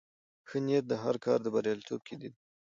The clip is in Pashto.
ښه نیت د هر کار د بریالیتوب کیلي ده.